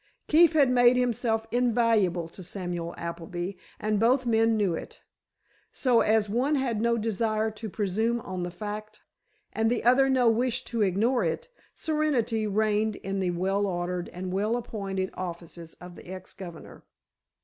Keefe had made himself invaluable to Samuel Appleby and both men knew it. So, as one had no desire to presume on the fact and the other no wish to ignore it, serenity reigned in the well ordered and well appointed offices of the ex governor.